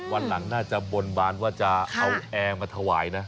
วันหลังน่าจะบนบานว่าจะเอาแอร์มาถวายนะ